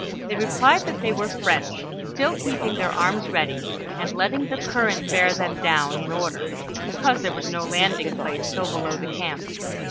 They replied that they were French, still keeping their arms ready, and letting the current bear them down in order, because there was no landing place till below the camp.